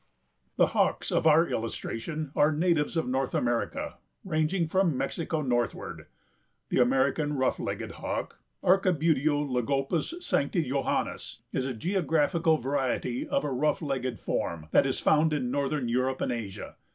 The Hawks of our illustration are natives of North America ranging from Mexico northward. The American Rough legged Hawk (Archibuteo lagopus sancti johannis) is a geographical variety of a rough legged form that is found in northern Europe and Asia.